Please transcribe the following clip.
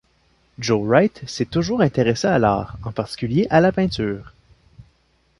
Joe Wright s'est toujours intéressé à l'art, en particulier à la peinture.